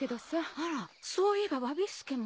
あらそういえば侘助も。